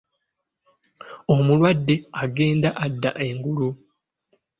Omulwadde agenda adda engulu.